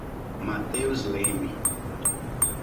Mateus Leme